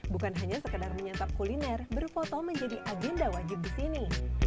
bukan hanya sekedar menyantap kuliner berfoto menjadi agenda wajib di sini